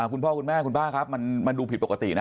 คุณพ่อคุณแม่คุณป้าครับมันดูผิดปกตินะ